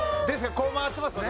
こう回ってますね。